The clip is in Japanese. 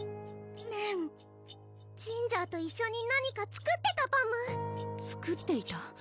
メンジンジャーと一緒に何か作ってたパム作っていた？